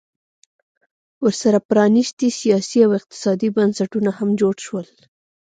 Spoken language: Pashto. ورسره پرانیستي سیاسي او اقتصادي بنسټونه هم جوړ شول